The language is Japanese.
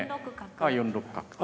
ああ４六角と。